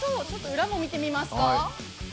裏も見てみますか。